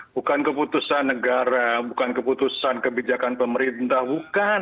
bukan keputusan negara bukan keputusan kebijakan pemerintah bukan